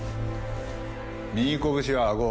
右拳はあご。